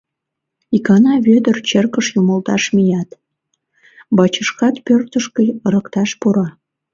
Икана Вӧдыр черкыш юмылташ мият, бачышкан пӧртышкӧ ырыкташ пура.